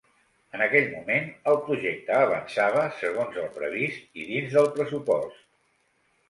En aquell moment, el projecte avançava segons el previst i dins del pressupost.